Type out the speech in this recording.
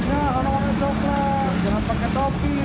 jangan pakai topi